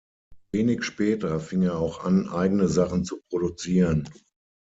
Wenig später fing er auch an eigene Sachen zu produzieren.